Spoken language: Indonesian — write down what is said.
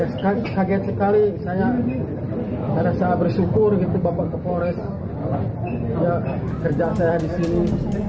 saya kaget sekali saya rasa bersyukur bapak polres kerjaan saya di sini